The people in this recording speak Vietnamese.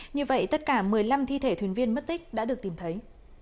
như vậy tất cả một mươi năm thi thể thuyền viên mất tích đã được tìm thấy